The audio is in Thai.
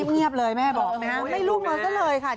เงียบเลยแม่บอกนะฮะไม่ลุกมาซะเลยค่ะ